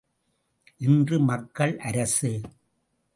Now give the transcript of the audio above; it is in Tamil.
இன்று மக்கள் அரசு!